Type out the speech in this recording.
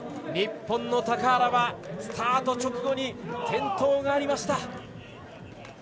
日本の高原はスタート直後に転倒がありました。